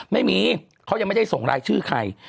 ไม่มีเขายังไม่ได้ส่งรายชื่อใคร